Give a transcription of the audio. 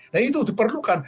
nah itu diperlukan